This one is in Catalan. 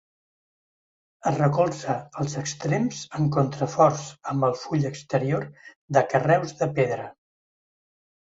Es recolza als extrems en contraforts amb el full exterior de carreus de pedra.